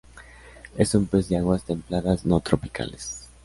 Es un pez de aguas templadas, no tropicales.